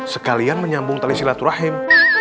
sekalian menyambung tali silaturahim